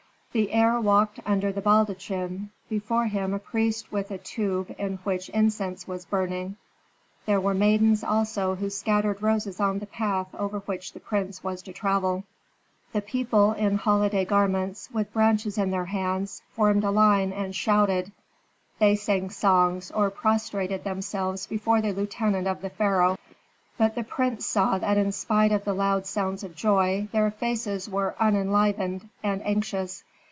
The heir walked under the baldachin, before him a priest with a tube in which incense was burning; there were maidens also who scattered roses on the path over which the prince was to travel. The people in holiday garments, with branches in their hands, formed a line and shouted; they sang songs, or prostrated themselves before the lieutenant of the pharaoh. But the prince saw that in spite of the loud sounds of joy their faces were unenlivened and anxious.